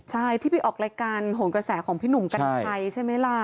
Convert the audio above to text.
ใช่ที่ไปออกรายการโหนกระแสของพี่หนุ่มกัญชัยใช่ไหมล่ะ